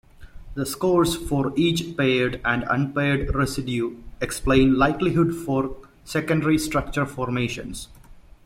The scores for each paired and unpaired residue explain likelihood for secondary structure formations.